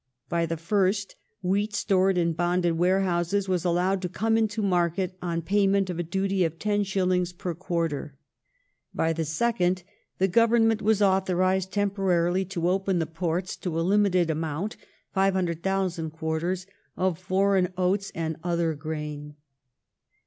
By the fii st, wheat Laws stored in bonded warehouses was allowed to come into market on payment of a duty of 10s. per quarter. By the second, the Govern ment was authorized temporarily to open the ports to a limited amount (500,000 quarters) of foreign oats and other grain.